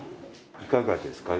いかがですか？